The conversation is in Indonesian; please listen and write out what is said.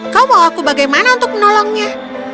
kau bawa aku bagaimana untuk menolongnya